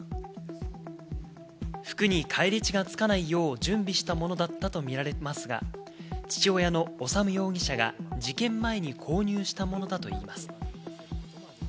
服に返り血がつかないよう準備したものだったとみられますが、父親の修容疑者が事件前に購入したものだといいます。